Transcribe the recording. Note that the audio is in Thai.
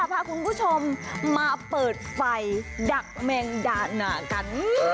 พาคุณผู้ชมมาเปิดไฟดักแมงดาหนากัน